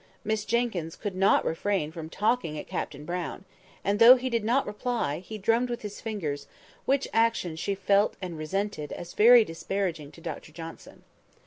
Miss Jenkyns could not refrain from talking at Captain Brown; and, though he did not reply, he drummed with his fingers, which action she felt and resented as very disparaging to Dr Johnson.